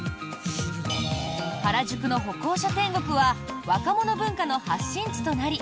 原宿の歩行者天国は若者文化の発信地となり